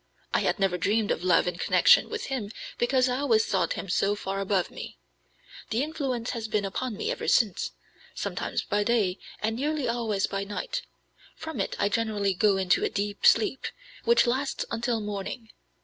I had never dreamed of love in connection with him, because I always thought him so far above me. The influence has been upon me ever since sometimes by day and nearly always by night; from it I generally go into a deep sleep, which lasts until morning.